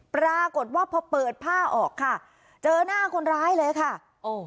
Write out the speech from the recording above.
ปรากฏว่าพอเปิดผ้าออกค่ะเจอหน้าคนร้ายเลยค่ะโอ้